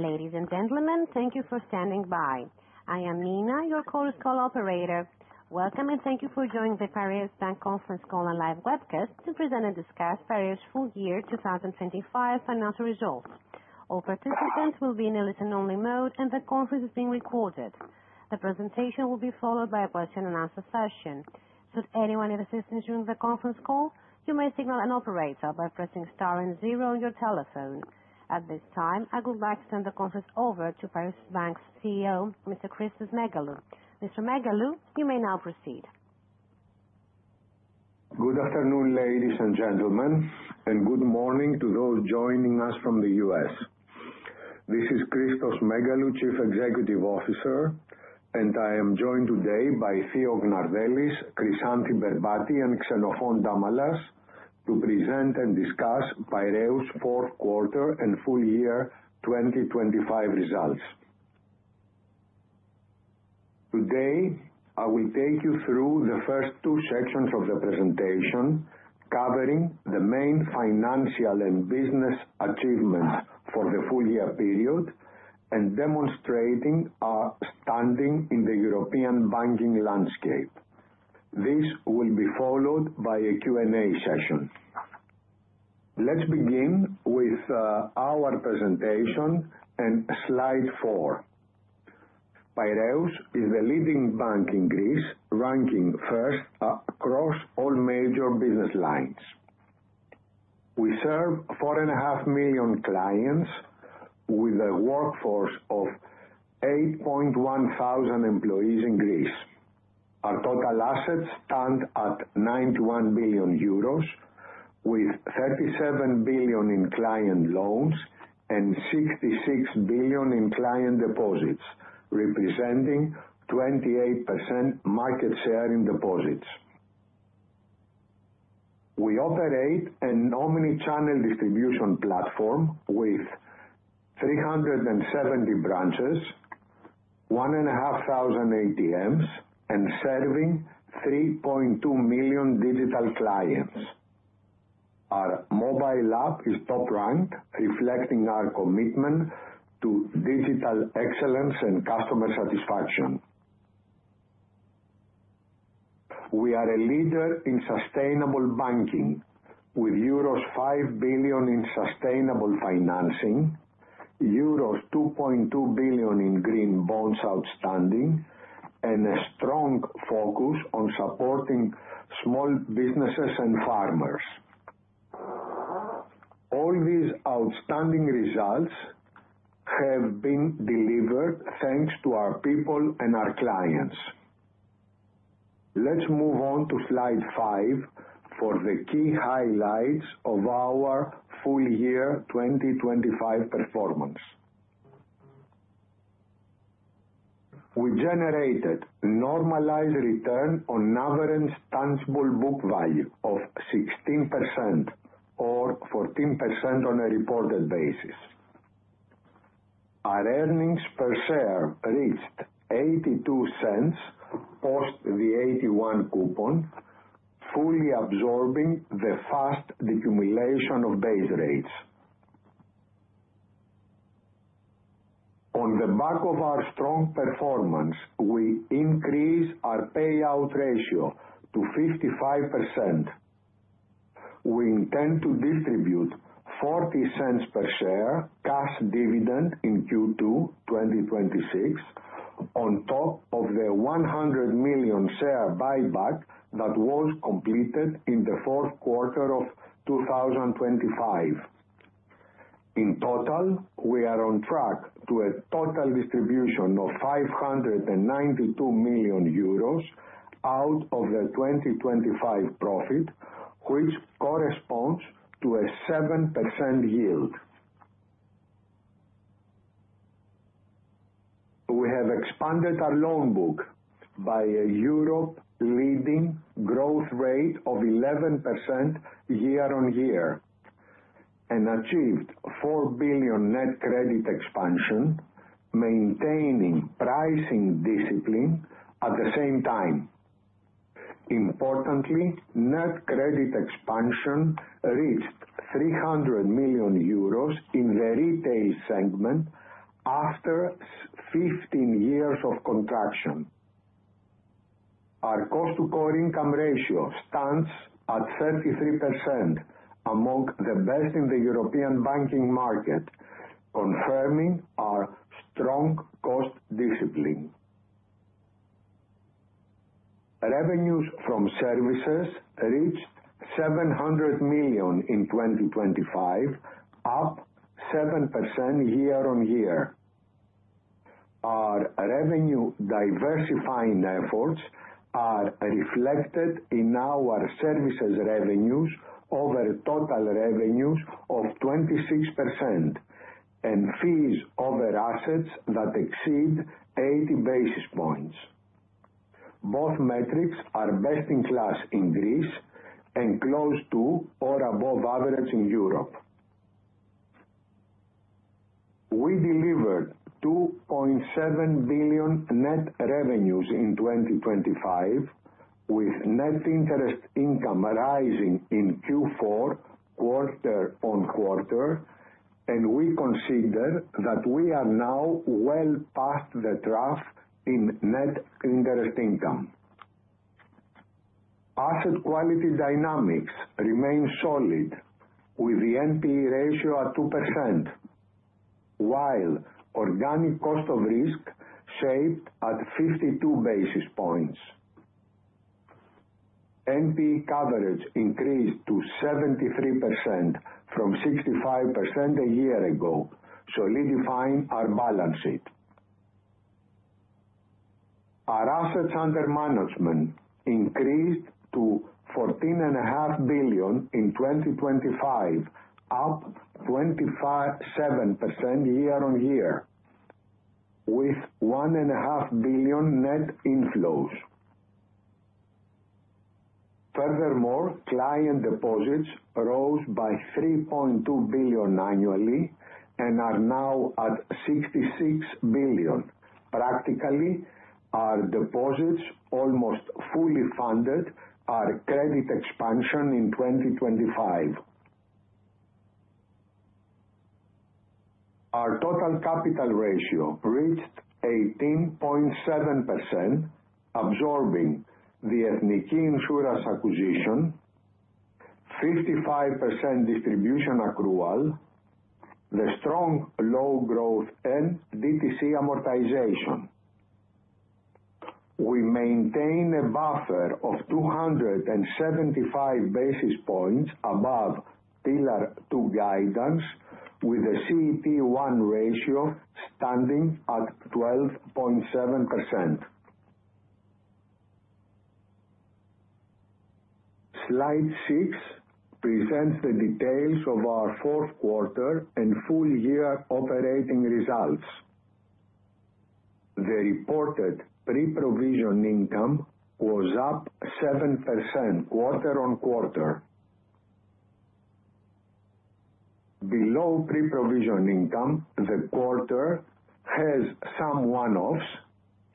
Ladies and gentlemen, thank you for standing by. I am Nina, your call recall operator. Welcome, and thank you for joining the Piraeus Bank conference call and live webcast to present and discuss Piraeus full year 2025 financial results. All participants will be in a listen-only mode, and the conference is being recorded. The presentation will be followed by a question and answer session. Should anyone need assistance during the conference call, you may signal an operator by pressing star and zero on your telephone. At this time, I would like to turn the conference over to Piraeus Bank's CEO, Mr. Christos Megalou. Mr. Megalou, you may now proceed. Good afternoon, ladies and gentlemen. Good morning to those joining us from the U.S. This is Christos Megalou, Chief Executive Officer, and I am joined today by Theo Gnardellis, Chryssanthi Berbati, and Xenofon Damalas to present and discuss Piraeus fourth quarter and full year 2025 results. Today, I will take you through the first two sections of the presentation, covering the main financial and business achievements for the full year period and demonstrating our standing in the European banking landscape. This will be followed by a Q&A session. Let's begin with our presentation and slide four. Piraeus is the leading bank in Greece, ranking first across all major business lines. We serve 4.5 million clients with a workforce of 8,100 employees in Greece. Our total assets stand at 91 billion euros, with 37 billion in client loans and 66 billion in client deposits, representing 28% market share in deposits. We operate an omni-channel distribution platform with 370 branches, 1,500 ATMs, and serving 3.2 million digital clients. Our mobile app is top ranked, reflecting our commitment to digital excellence and customer satisfaction. We are a leader in sustainable banking, with euros 5 billion in sustainable financing, euros 2.2 billion in Green bonds outstanding, and a strong focus on supporting small businesses and farmers. All these outstanding results have been delivered thanks to our people and our clients. Let's move on to slide five for the key highlights of our full year 2025 performance. We generated normalized return on average tangible book value of 16%, or 14% on a reported basis. Our earnings per share reached 0.82 post the AT1 coupon, fully absorbing the fast decumulation of base rates. On the back of our strong performance, we increased our payout ratio to 55%. We intend to distribute 0.40 per share cash dividend in Q2 2026, on top of the 100 million share buyback that was completed in the fourth quarter of 2025. In total, we are on track to a total distribution of 592 million euros out of the 2025 profit, which corresponds to a 7% yield. We have expanded our loan book by a Europe-leading growth rate of 11% year-on-year, and achieved 4 billion net credit expansion, maintaining pricing discipline at the same time. Importantly, net credit expansion reached 300 million euros in the retail segment after 15 years of contraction. Our cost to core income ratio stands at 33%, among the best in the European banking market, confirming our strong cost discipline. Revenues from services reached 700 million in 2025, up 7% year-over-year. Our revenue diversifying efforts are reflected in our services revenues over total revenues of 26%, and fees over assets that exceed 80 basis points. Both metrics are best in class in Greece and close to or above average in Europe. 0.7 billion net revenues in 2025, with net interest income rising in Q4, quarter-on-quarter, and we consider that we are now well past the trough in net interest income. Asset quality dynamics remain solid, with the NPE ratio at 2%, while organic cost of risk shaped at 52 basis points. NPE coverage increased to 73% from 65% a year ago, solidifying our balance sheet. Our assets under management increased to 14.5 billion in 2025, up 25.7% year-on-year, with 1.5 billion net inflows. Client deposits rose by 3.2 billion annually and are now at 66 billion. Practically, our deposits almost fully funded our credit expansion in 2025. Our total capital ratio reached 18.7%, absorbing the Ethniki Insurance acquisition, 55% distribution accrual, the strong loan growth, and DTC amortization. We maintain a buffer of 275 basis points above Pillar 2 guidance, with a CET1 ratio standing at 12.7%. Slide six presents the details of our fourth quarter and full year operating results. The reported pre-provision income was up 7% quarter-on-quarter. Below pre-provision income, the quarter has some one-offs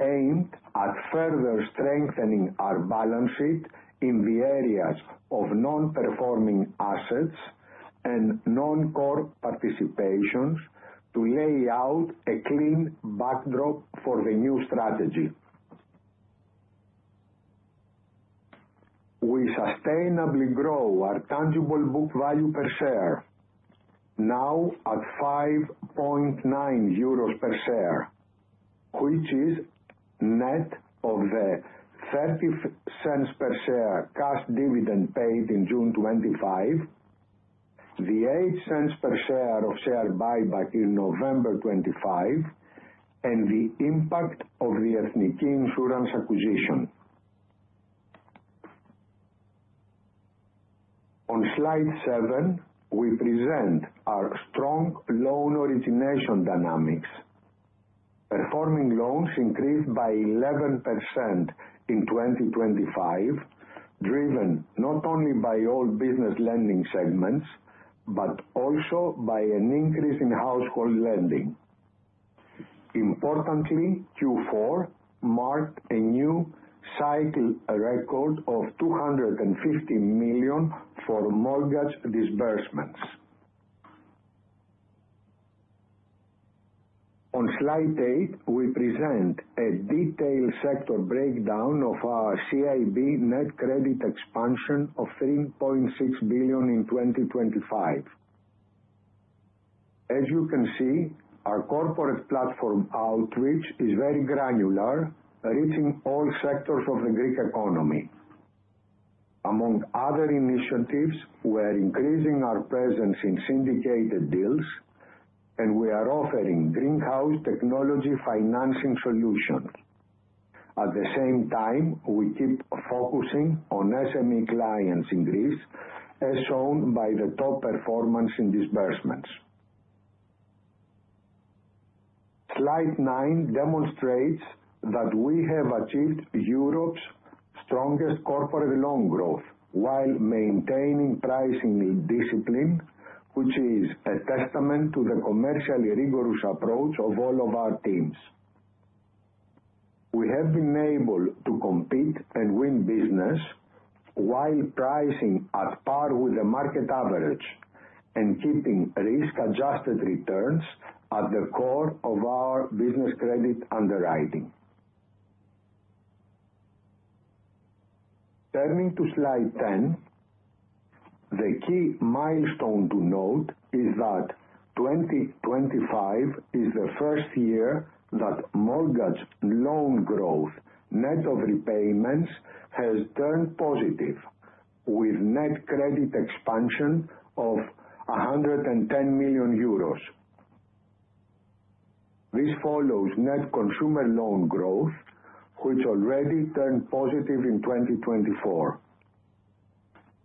aimed at further strengthening our balance sheet in the areas of non-performing assets and non-core participations to lay out a clean backdrop for the new strategy. We sustainably grow our tangible book value per share, now at 5.9 euros per share, which is net of the 0.30 per share cash dividend paid in June 2025, the 0.08 per share of share buyback in November 2025, and the impact of the Ethniki Insurance acquisition. On slide seven, we present our strong loan origination dynamics. Performing loans increased by 11% in 2025, driven not only by all business lending segments, but also by an increase in household lending. Importantly, Q4 marked a new cycle, a record of 250 million for mortgage disbursements. On slide eight, we present a detailed sector breakdown of our CIB net credit expansion of 3.6 billion in 2025. As you can see, our corporate platform outreach is very granular, reaching all sectors of the Greek economy. Among other initiatives, we are increasing our presence in syndicated deals, and we are offering greenhouse technology financing solutions. At the same time, we keep focusing on SME clients in Greece, as shown by the top performance in disbursements. Slide nine demonstrates that we have achieved Europe's strongest corporate loan growth while maintaining pricing discipline, which is a testament to the commercially rigorous approach of all of our teams. We have been able to compete and win business while pricing at par with the market average and keeping risk-adjusted returns at the core of our business credit underwriting. Turning to slide 10. The key milestone to note is that 2025 is the first year that mortgage loan growth, net of repayments, has turned positive, with net credit expansion of 110 million euros. This follows net consumer loan growth, which already turned positive in 2024.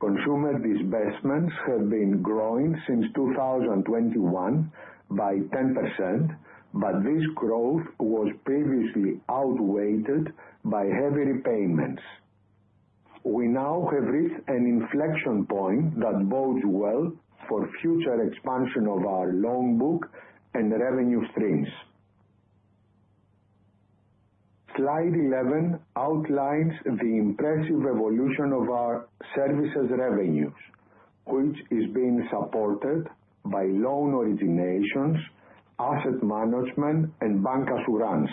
Consumer disbursements have been growing since 2021 by 10%, but this growth was previously outweighed by heavy repayments. We now have reached an inflection point that bodes well for future expansion of our loan book and revenue streams. Slide 11 outlines the impressive evolution of our services revenues, which is being supported by loan originations, asset management, and bancassurance.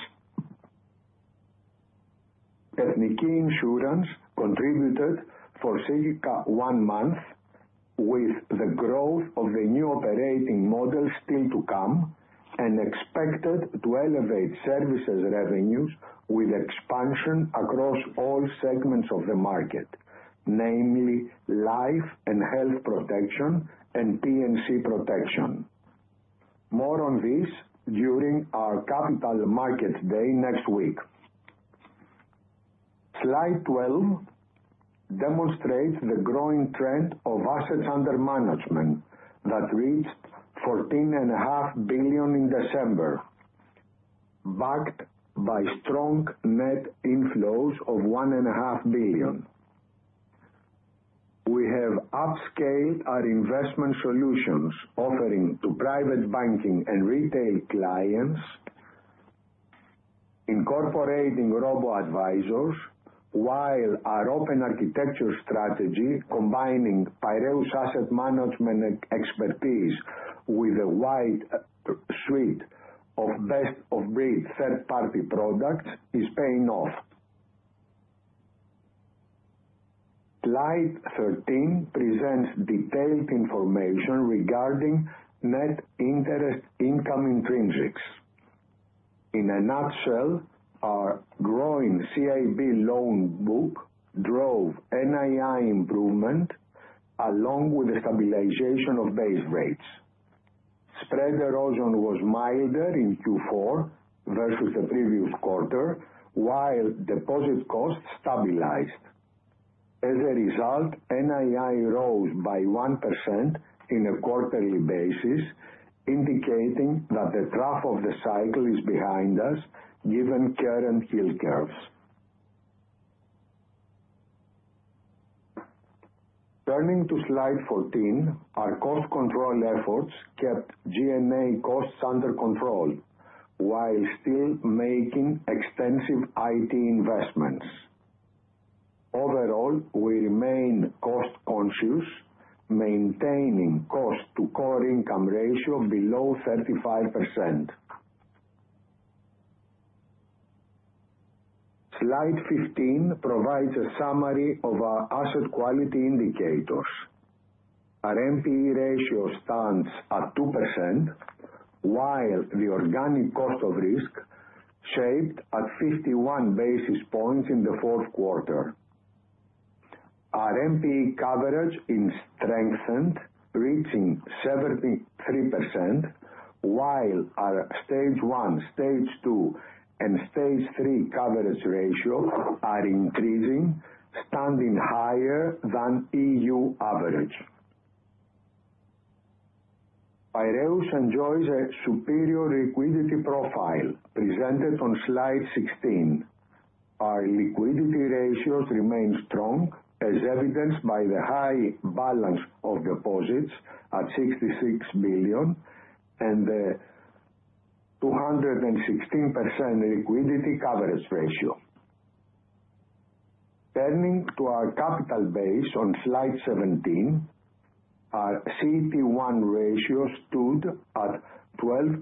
Ethniki Insurance contributed for circa one month with the growth of the new operating model still to come, expected to elevate services revenues with expansion across all segments of the market, namely life and health protection and P&C protection. More on this during our Capital Markets Day next week. Slide 12 demonstrates the growing trend of assets under management, that reached 14.5 billion in December, backed by strong net inflows of 1.5 billion. We have upscaled our investment solutions offering to private banking and retail clients, incorporating robo-advisors, while our open architecture strategy, combining Piraeus Asset Management expertise with a wide suite of best-of-breed third-party products, is paying off. Slide 13 presents detailed information regarding net interest income intrinsics. In a nutshell, our growing CIB loan book drove NII improvement, along with the stabilization of base rates. Spread erosion was milder in Q4 versus the previous quarter, while deposit costs stabilized. As a result, NII rose by 1% in a quarterly basis, indicating that the trough of the cycle is behind us, given current yield curves. Turning to slide 14, our cost control efforts kept G&A costs under control while still making extensive IT investments. Overall, we remain cost conscious, maintaining cost to core income ratio below 35%. Slide 15 provides a summary of our asset quality indicators. Our NPE ratio stands at 2%, while the organic cost of risk shaped at 51 basis points in the fourth quarter. Our NPE coverage in strengthened, reaching 73%, while our stage one, stage two, and stage three coverage ratios are increasing, standing higher than EU average. Piraeus enjoys a superior liquidity profile presented on slide 16. Our liquidity ratios remain strong, as evidenced by the high balance of deposits at 66 billion and 216% liquidity coverage ratio. Turning to our capital base on slide 17, our CET1 ratio stood at 12.7%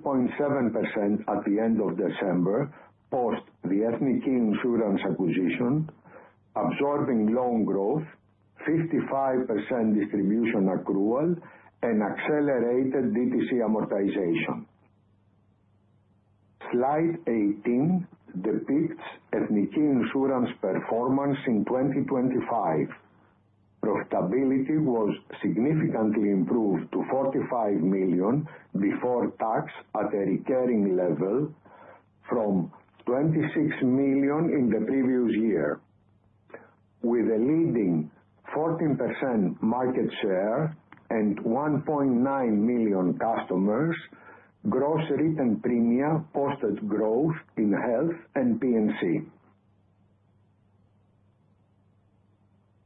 at the end of December, post the Ethniki Insurance acquisition, absorbing loan growth, 55% distribution accrual, and accelerated DTC amortization. Slide 18 depicts Ethniki Insurance performance in 2025. Profitability was significantly improved to 45 million before tax at a recurring level, from 26 million in the previous year. With a leading 14% market share and 1.9 million customers, gross written premium posted growth in health and P&C.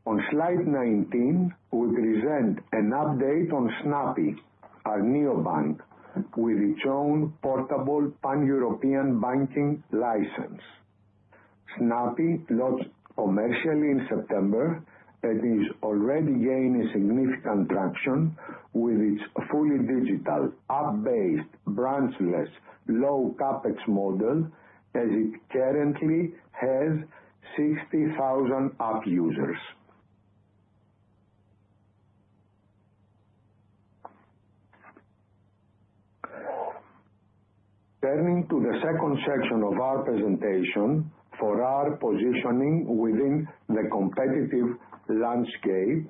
On slide 19, we present an update on Snappi, our neobank, with its own portable pan-European banking license. Snappi launched commercially in September and is already gaining significant traction with its fully digital, app-based, branchless, low CapEx model, as it currently has 60,000 app users. Turning to the second section of our presentation for our positioning within the competitive landscape,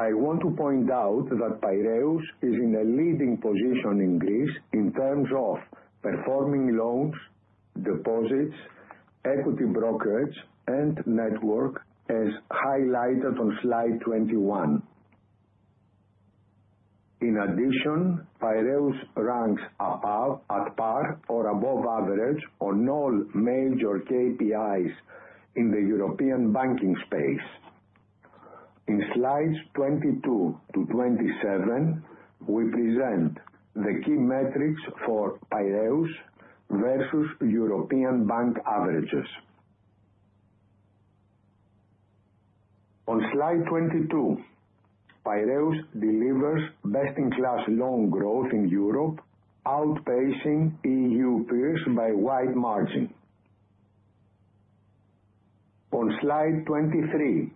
I want to point out that Piraeus is in a leading position in Greece in terms of performing loans, deposits, equity brokerage, and network, as highlighted on slide 21. In addition, Piraeus ranks above, at par, or above average on all major KPIs in the European banking space. In slides 22-27, we present the key metrics for Piraeus versus European bank averages. On slide 22, Piraeus delivers best in class loan growth in Europe, outpacing EU peers by wide margin. On slide 23,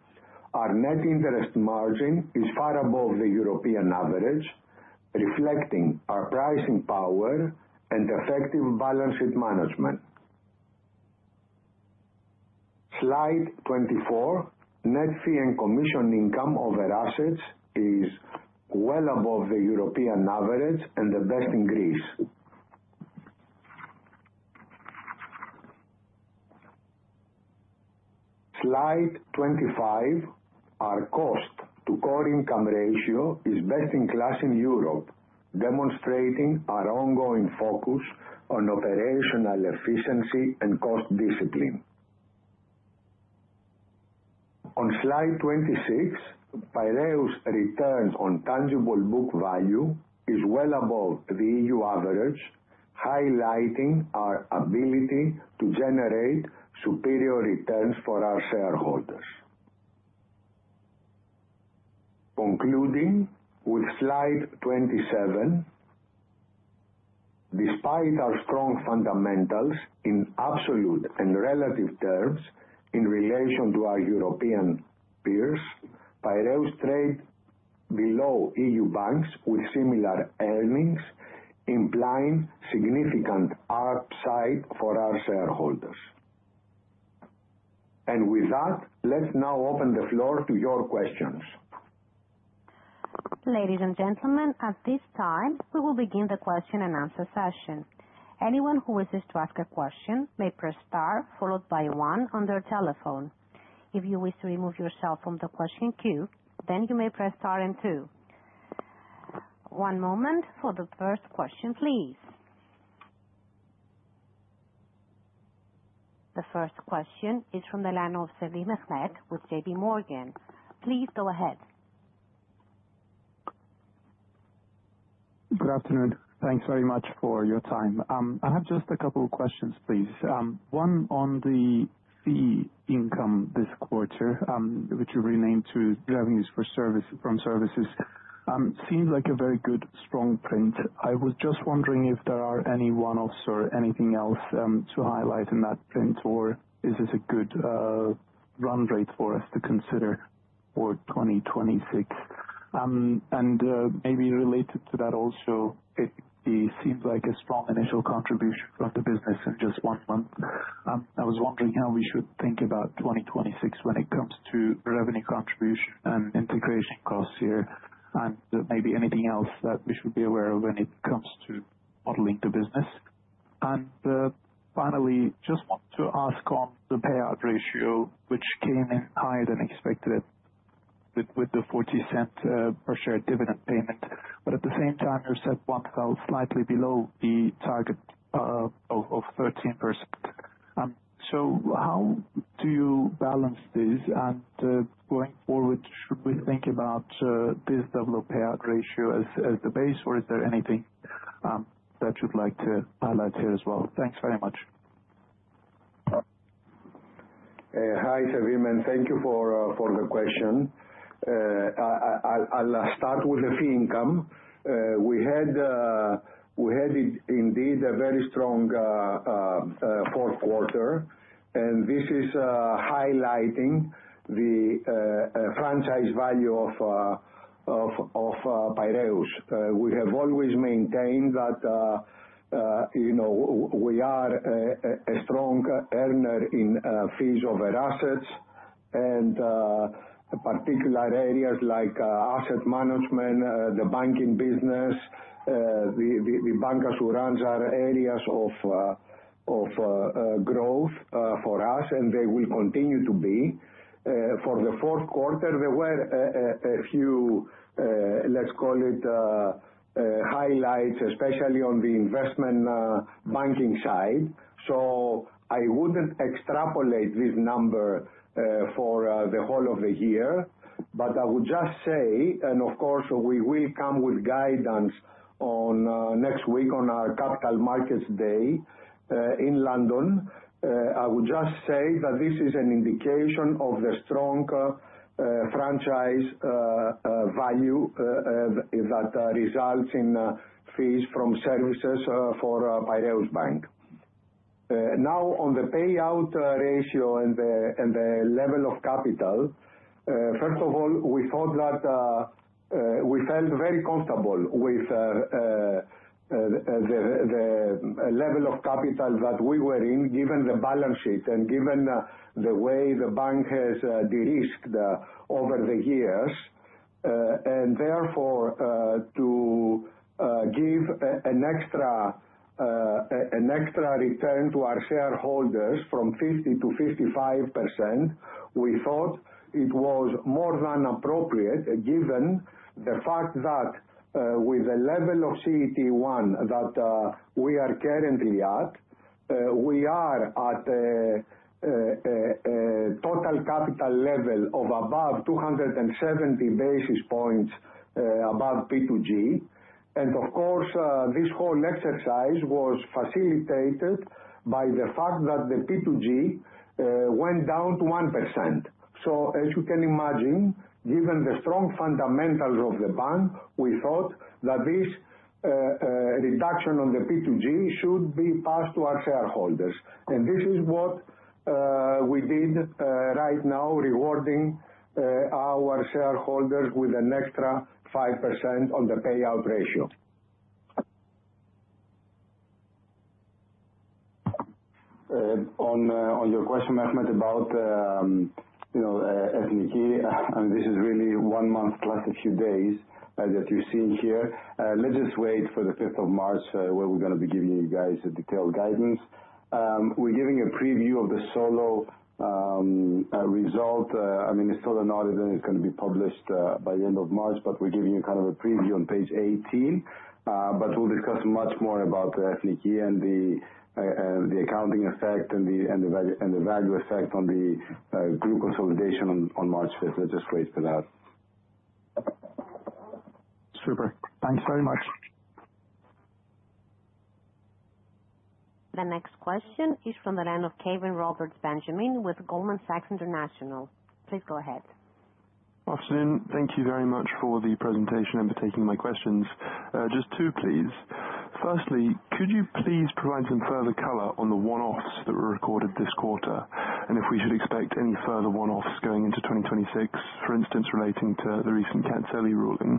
our net interest margin is far above the European average, reflecting our pricing power and effective balance sheet management. Slide 24, net fee and commission income over assets is well above the European average and the best in Greece. Slide 25, our cost to core income ratio is best in class in Europe, demonstrating our ongoing focus on operational efficiency and cost discipline. On slide 26, Piraeus returns on tangible book value is well above the EU average, highlighting our ability to generate superior returns for our shareholders. Concluding with slide 27, despite our strong fundamentals in absolute and relative terms in relation to our European peers, Piraeus trade below EU banks with similar earnings, implying significant upside for our shareholders. With that, let's now open the floor to your questions. Ladies and gentlemen, at this time, we will begin the question and answer session. Anyone who wishes to ask a question may press star followed by one on their telephone. If you wish to remove yourself from the question queue, then you may press star and two. One moment for the first question, please. The first question is from the line of Mehmet Sevim with JPMorgan. Please go ahead. Good afternoon. Thanks very much for your time. I have just a couple of questions, please. One on the fee income this quarter, which you renamed to revenues for service, from services. Seemed like a very good, strong print. I was just wondering if there are any one-offs or anything else to highlight in that print, or is this a good run rate for us to consider for 2026? Maybe related to that also, it seems like a strong initial contribution from the business in just one month. I was wondering how we should think about 2026 when it comes to revenue contribution and integration costs here, and maybe anything else that we should be aware of when it comes to modeling the business. Finally, just want to ask on the payout ratio, which came in higher than expected with the 0.40 per share dividend payment. At the same time, you said one fell slightly below the target of 13%. How do you balance this? Going forward, should we think about this double payout ratio as the base, or is there anything that you'd like to highlight here as well? Thanks very much. Hi, Sevim, and thank you for the question. I'll start with the fee income. We had, indeed, a very strong fourth quarter, and this is highlighting the franchise value of Piraeus. We have always maintained that, you know, we are a strong earner in fees over assets. Particular areas like asset management, the banking business, the bankers who runs our areas of growth for us, and they will continue to be. For the fourth quarter, there were a few, let's call it, highlights, especially on the investment banking side. I wouldn't extrapolate this number for the whole of the year. I would just say, and of course, we will come with guidance on next week on our Capital Markets Day in London. I would just say that this is an indication of the strong franchise value that results in fees from services for Piraeus Bank. Now, on the payout ratio and the level of capital, first of all, we thought that we felt very comfortable with the level of capital that we were in, given the balance sheet and given the way the bank has de-risked over the years. Therefore, to... give an extra return to our shareholders from 50%-55%, we thought it was more than appropriate, given the fact that with the level of CET1 that we are currently at, we are at a total capital level of above 270 basis points above P2G. Of course, this whole exercise was facilitated by the fact that the P2G went down to 1%. As you can imagine, given the strong fundamentals of the bank, we thought that this reduction on the P2G should be passed to our shareholders. This is what we did right now, rewarding our shareholders with an extra 5% on the payout ratio. On your question, Mehmet, about, you know, Ethniki, this is really one month plus a few days that you're seeing here. Let's just wait for the March 5th, where we're gonna be giving you guys a detailed guidance. We're giving a preview of the solo result, I mean, it's still an audit, and it's gonna be published by the end of March, but we're giving you kind of a preview on page 18. We'll discuss much more about Ethniki and the accounting effect and the value effect on the group consolidation on March 5th. Let's just wait for that. Super. Thanks very much. The next question is from the line of Benjamin Caven-Roberts with Goldman Sachs International. Please go ahead. Afternoon. Thank you very much for the presentation and for taking my questions. Just two, please. Firstly, could you please provide some further color on the one-offs that were recorded this quarter? If we should expect any further one-offs going into 2026, for instance, relating to the recent Katseli ruling.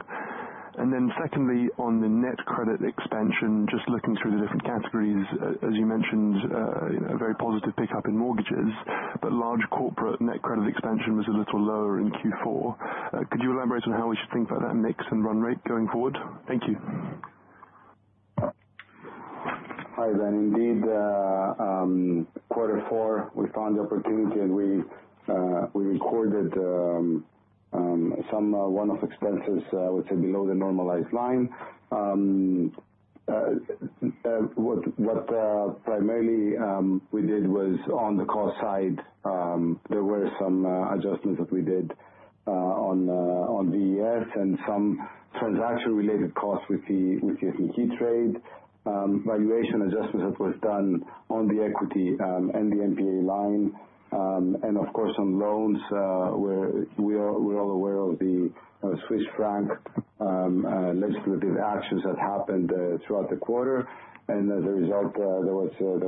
Secondly, on the net credit expansion, just looking through the different categories, as you mentioned, a very positive pickup in mortgages, but large corporate net credit expansion was a little lower in Q4. Could you elaborate on how we should think about that mix and run rate going forward? Thank you. Hi, indeed, quarter four, we found the opportunity, and we recorded some one-off expenses, which are below the normalized line. What primarily we did was on the cost side, there were some adjustments that we did on the ES and some transaction-related costs with the Ethniki trade. Valuation adjustment that was done on the equity and the NPA line, and of course, on loans, where we are, we're all aware of the Swiss franc legislative actions that happened throughout the quarter. As a result, there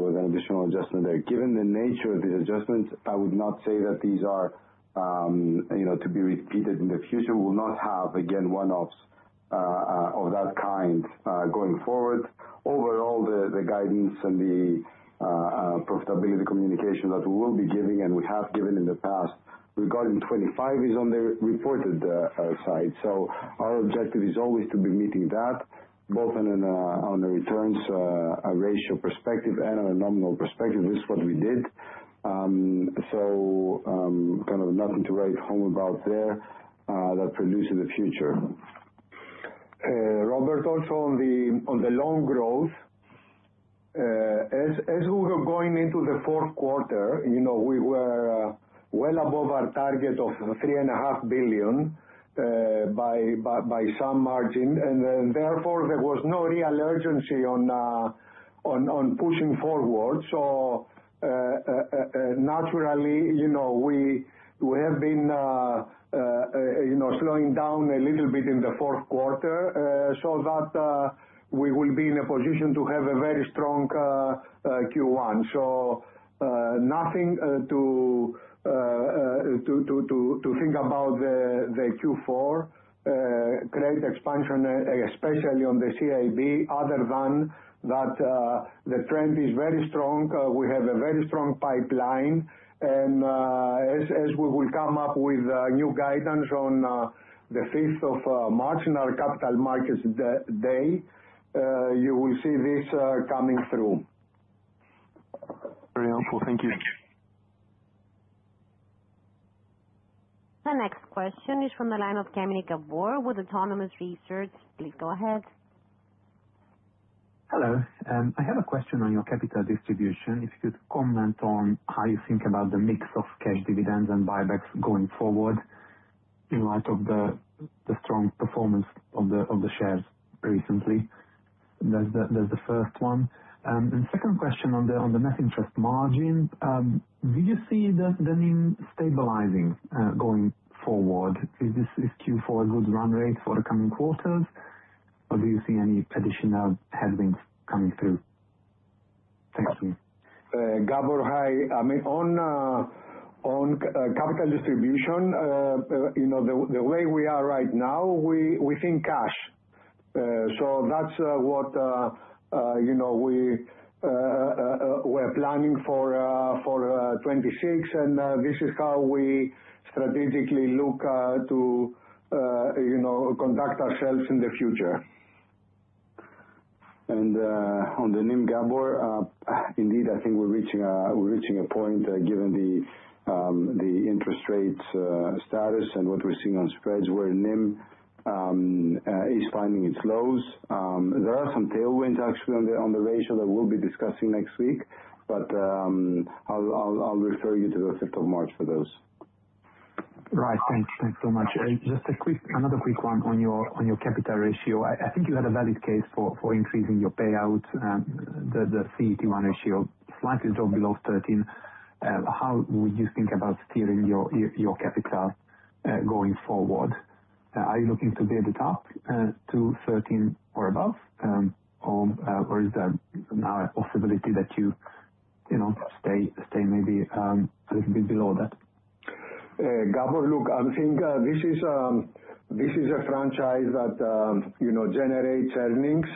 was an additional adjustment there. Given the nature of these adjustments, I would not say that these are, you know, to be repeated in the future. We will not have, again, one-offs of that kind going forward. Overall, the guidance and the profitability, the communication that we will be giving, and we have given in the past, regarding 25 is on the reported side. Our objective is always to be meeting that, both on a returns a ratio perspective and on a nominal perspective. This is what we did. So kind of nothing to write home about there that produces the future. Robert, also on the loan growth, as we were going into the fourth quarter, you know, we were well above our target of 3.5 billion by some margin, and then therefore, there was no real urgency on pushing forward. Naturally, you know, we have been, you know, slowing down a little bit in the fourth quarter, so that we will be in a position to have a very strong Q1. Nothing to think about the Q4 credit expansion, especially on the CIB, other than that the trend is very strong. We have a very strong pipeline, and as we will come up with a new guidance on the March 5th in our Capital Markets Day, you will see this coming through. Very helpful. Thank you. The next question is from the line of Gabor Kemeny with Autonomous Research. Please go ahead. Hello. I have a question on your capital distribution. If you could comment on how you think about the mix of cash dividends and buybacks going forward, in light of the strong performance of the shares recently. There's the first one. Second question on the net interest margin. Do you see the NIM stabilizing going forward? Is Q4 a good run rate for the coming quarters, or do you see any additional headwinds coming through? Thank you. Gabor, hi. I mean, on capital distribution, you know, the way we are right now, we think cash. That's what, you know, we're planning for 2026, and this is how we strategically look to, you know, conduct ourselves in the future. On the NIM Gabor, indeed, I think we're reaching a point, given the interest rates status and what we're seeing on spreads where NIM is finding its lows. There are some tailwinds actually on the ratio that we'll be discussing next week, but I'll refer you to the March 5th for those. Right. Thanks. Thanks so much. just another quick one on your capital ratio. I think you had a valid case for increasing your payout, the CET1 ratio, slightly dropped below 13. How would you think about steering your capital going forward? Are you looking to build it up to 13 or above? or is there now a possibility that you know, stay maybe a little bit below that? Gabor, look, I think this is a franchise that, you know, generates earnings.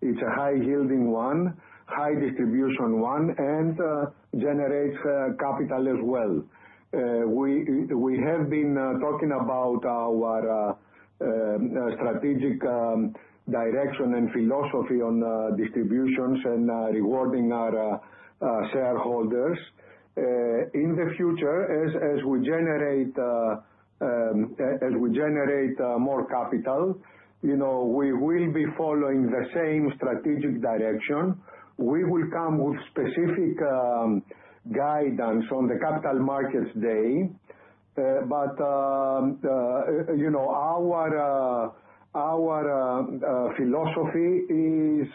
It's a high yielding one, high distribution one, and generates capital as well. We have been talking about our strategic direction and philosophy on distributions and rewarding our shareholders. In the future, as we generate, as we generate more capital, you know, we will be following the same strategic direction. We will come with specific guidance on the Capital Markets Day. You know, our philosophy is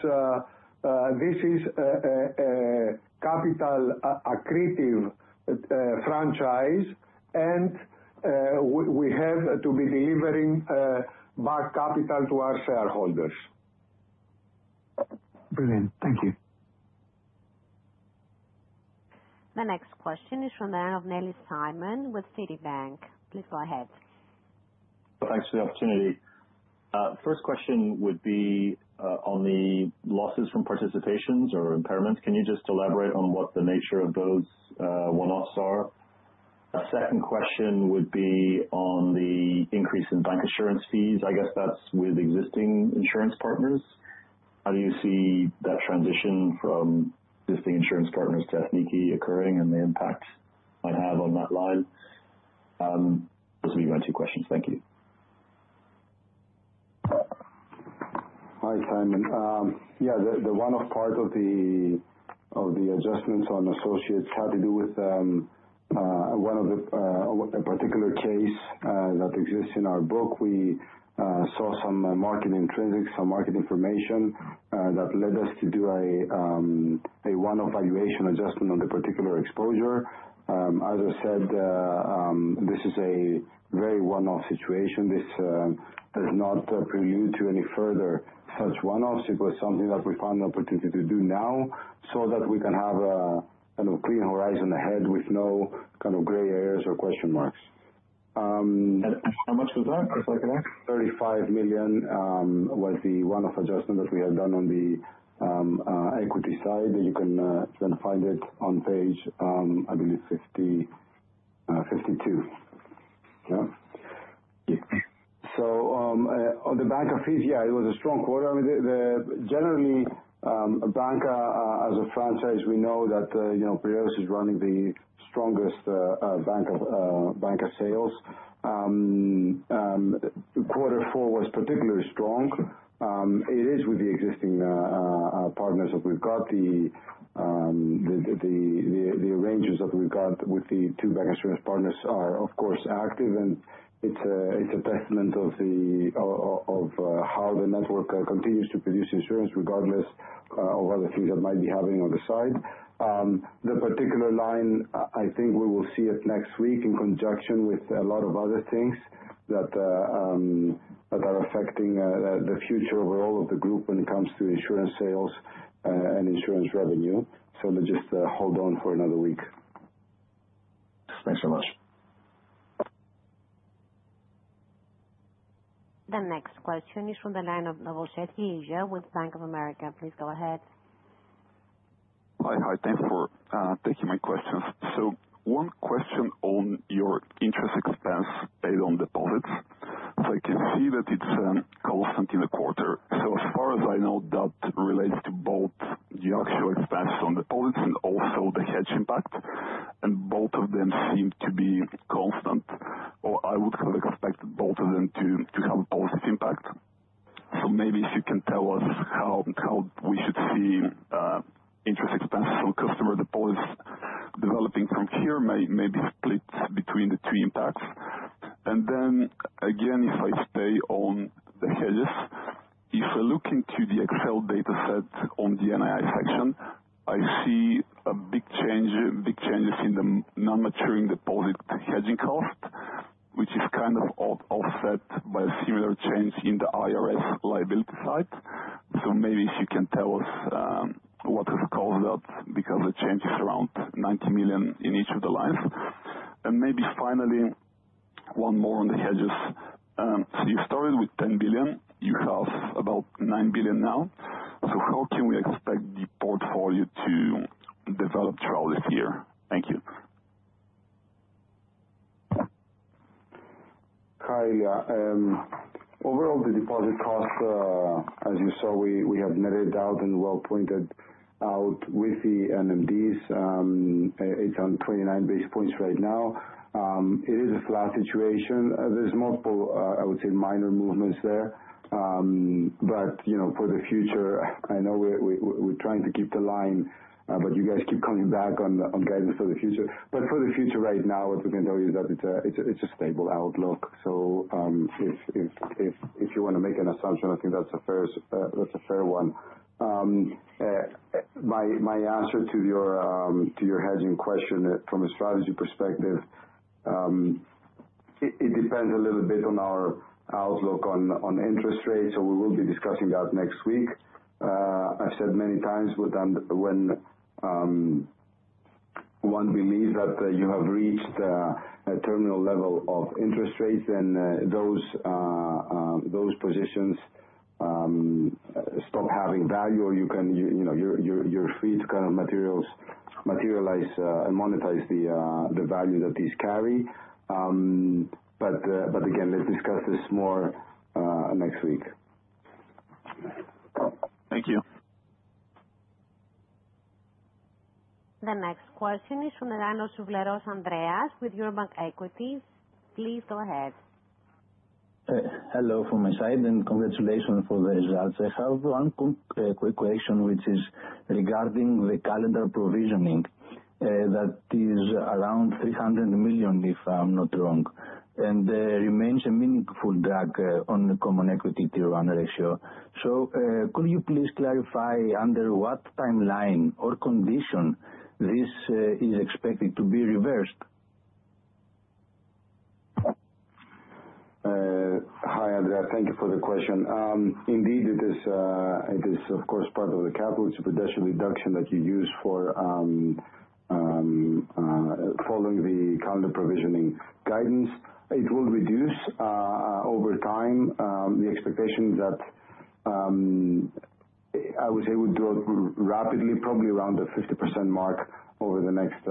this is a capital accretive franchise, and we have to be delivering more capital to our shareholders. Brilliant. Thank you. The next question is from Simon Nellis with Citibank, please go ahead. Thanks for the opportunity. First question would be on the losses from participations or impairments. Can you just elaborate on what the nature of those one-offs are? Second question would be on the increase in bank insurance fees. I guess that's with existing insurance partners. How do you see that transition from existing insurance partners to Ethniki Insurance occurring, and the impact might have on that line? Those will be my two questions. Thank you. Hi, Simon. yeah, the one-off part of the adjustments on associates had to do with one of the a particular case that exists in our book. We saw some market intrinsics, some market information that led us to do a one-off valuation adjustment on the particular exposure. As I said, this is a very one-off situation. This does not prelude to any further such one-offs. It was something that we found an opportunity to do now, so that we can have, a, kind of clean horizon ahead with no kind of gray areas or question marks. How much was that, if I can ask? 35 million was the one-off adjustment that we had done on the equity side. You can find it on page, I believe 52. Yeah. On the bancassurance fees, yeah, it was a strong quarter. I mean, the generally, as a bancassurance franchise, we know that, you know, Piraeus is running the strongest bancassurance sales. quarter four was particularly strong. It is with the existing partners that we've got. The arrangements that we've got with the two bank insurance partners are, of course, active. It's a testament of how the network continues to produce insurance regardless of other things that might be happening on the side. The particular line, I think we will see it next week in conjunction with a lot of other things that are affecting the future overall of the group when it comes to insurance sales and insurance revenue. Let's just hold on for another week. Thanks so much. The next question is from the line of Ilija Novosselsky with Bank of America. Please go ahead. Hi. Hi, thanks for taking my questions. One question on your interest expense paid on deposits. I can see that it's constant in the quarter. As far as I know, that relates to both the actual expense on deposits and also the hedge impact, and both of them seem to be constant, or I would have expected both of them to have a positive impact. Maybe if you can tell us how we should see interest expense from customer deposits developing from here, maybe split between the two impacts. Then again, if I stay on the hedges, if I look into the Excel data set on the NII section, I see big changes in the non-maturing deposit hedging cost, which is kind of offset by a similar change in the IRS liability side. Maybe if you can tell us, what has caused that, because the change is around 90 million in each of the lines. Maybe finally, one more on the hedges. You started with 10 billion, you have about 9 billion now. How can we expect the portfolio to develop throughout this year? Thank you.... yeah, overall, the deposit costs, as you saw, we have netted out and well pointed out with the NMDs, it's on 29 basis points right now. It is a flat situation. There's multiple, I would say, minor movements there. You know, for the future, I know we're trying to keep the line, but you guys keep coming back on guidance for the future. For the future, right now, what we can tell you is that it's a stable outlook. If you wanna make an assumption, I think that's a fair, that's a fair one. My answer to your hedging question, from a strategy perspective, it depends a little bit on our outlook on interest rates. We will be discussing that next week. I said many times, when one believes that you have reached a terminal level of interest rates, then those positions stop having value, or you can, you know, you're free to kind of materialize and monetize the value that these carry. Again, let's discuss this more next week. Thank you. The next question is from Andreas Souvleros, with Eurobank Equities. Please go ahead. Hello from my side, and congratulations for the results. I have one quick question, which is regarding the calendar provisioning, that is around 300 million, if I'm not wrong, and remains a meaningful drag, on the common equity tier one ratio. Could you please clarify under what timeline or condition this, is expected to be reversed? Hi, Andreas, thank you for the question. Indeed, it is of course, part of the capital supercession reduction that you use for, following the calendar provisioning guidance. It will reduce over time, the expectation that I would say we do it rapidly, probably around the 50% mark over the next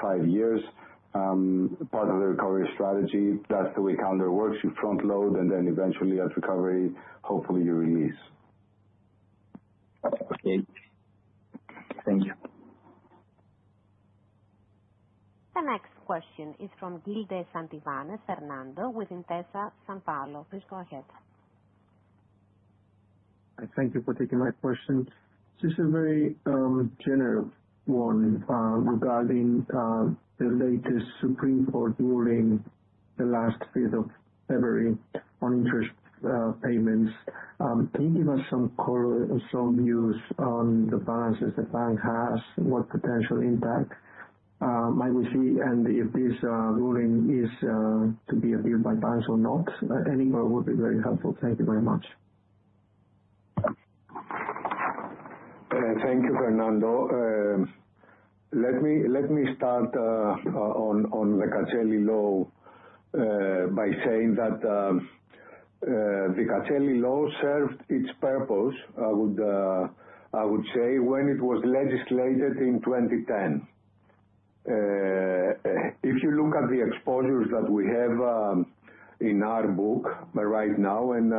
five years. Part of the recovery strategy, that's the way calendar works: you front load, and then eventually, as recovery, hopefully you release. Okay. Thank you. The next question is from Fernando Gil de Santivañes, with Intesa Sanpaolo. Please go ahead. I thank you for taking my question. This is a very general one, regarding the latest Supreme Court ruling, the last fifth of February, on interest payments. Can you give us some color, some views on the balances the bank has, what potential impact might we see, and if this ruling is to be appealed by banks or not? Any word would be very helpful. Thank you very much. Thank you, Fernando. Let me start on the Katseli Law by saying that the Katseli Law served its purpose, I would say, when it was legislated in 2010. If you look at the exposures that we have in our book right now, and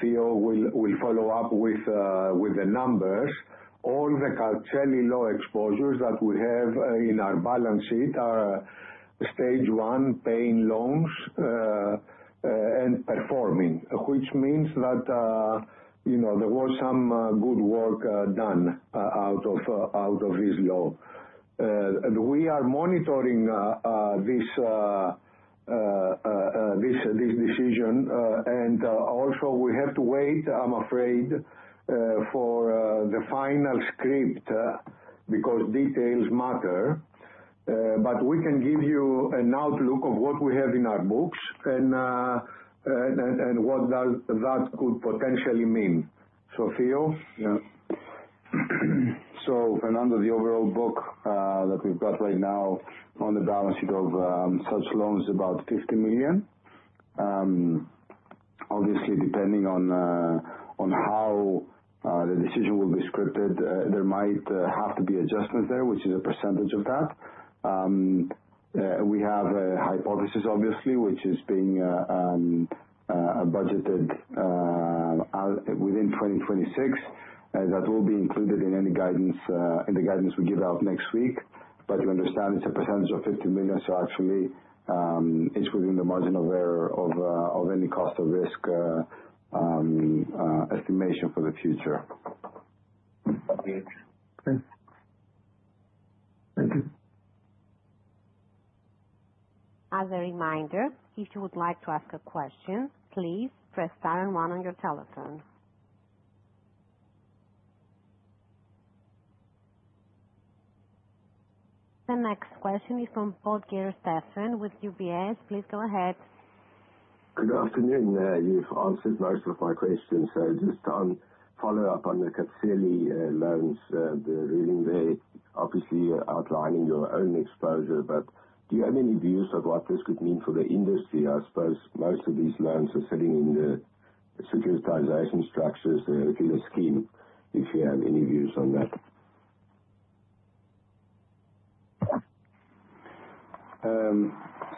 Theo will follow up with the numbers, all the Katseli Law exposures that we have in our balance sheet are stage one paying loans and performing. Which means that, you know, there was some good work done out of this law. We are monitoring this decision. Also we have to wait, I'm afraid, for the final script, because details matter. We can give you an outlook of what we have in our books, and what that could potentially mean. Theo? Yeah. Fernando, the overall book that we've got right now on the balance sheet of such loans, about 50 million. Obviously, depending on how the decision will be scripted, there might have to be adjustments there, which is a percentage of that. We have a hypothesis obviously, which is being budgeted out, within 2026, and that will be included in any guidance in the guidance we give out next week. You understand, it's a percentage of 50 million, so actually, it's within the margin of error of any cost or risk estimation for the future. Okay. Thank you. As a reminder, if you would like to ask a question, please press star and one on your telephone. The next question is from Stephan Potgieter, with UBS. Please go ahead. Good afternoon. You've answered most of my questions, just follow up on the Katseli Law loans. The ruling there, obviously outlining your own exposure, do you have any views of what this could mean for the industry? I suppose most of these loans are sitting in the securitization structures, in the scheme, if you have any views on that.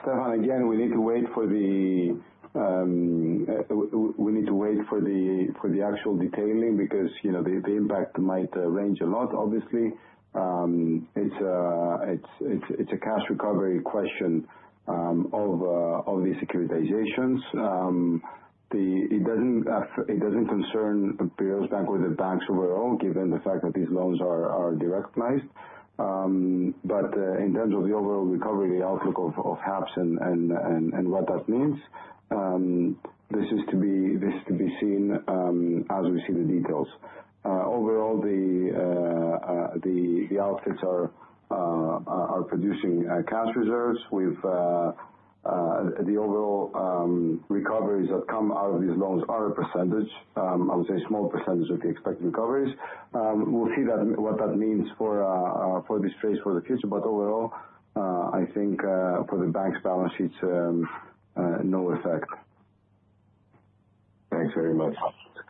Stefan, again, we need to wait for the, we need to wait for the, for the actual detailing, because, you know, the impact might range a lot, obviously. It's, it's a cash recovery question of these securitizations. It doesn't, it doesn't concern Piraeus Bank or the banks overall, given the fact that these loans are derecognized. In terms of the overall recovery, the outlook of hubs and what that means, this is to be seen as we see the details. Overall the outfits are producing cash reserves with the overall recoveries that come out of these loans are a percentage, I would say small percentage of the expected recoveries. we'll see that, what that means for this phase, for the future. Overall, I think, for the bank's balance sheets, no effect. Thanks very much.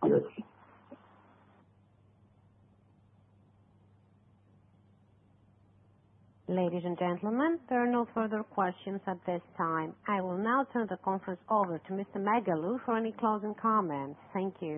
See you. Ladies and gentlemen, there are no further questions at this time. I will now turn the conference over to Mr. Megalou for any closing comments. Thank you.